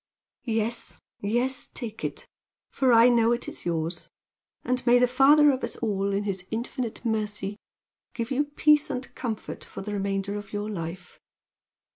"Yes! yes! Take it, for I know it is yours! And may the Father of us all, in His infinite mercy, give you peace and comfort for the remainder of your life!